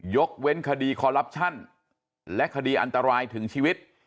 ยกเว้นคดีคอลลับชั่นและคดีอันตรายถึงชีวิต